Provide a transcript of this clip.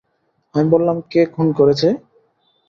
আমি বললাম, কে খুন করেছে?